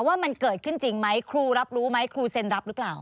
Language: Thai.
ว่ามันเกิดขึ้นจริงไหมครูรับรู้ไหมครูเซ็นรับหรือเปล่า